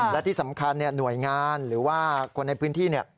และที่สำคัญเนี่ยหน่วยงานหรือว่าคนในพื้นที่เนี่ย